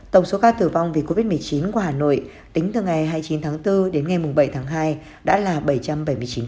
tổng số ca tử vong vì covid một mươi chín qua hà nội tính từ ngày hai mươi chín tháng bốn đến ngày bảy tháng hai đã là bảy trăm bảy mươi chín ca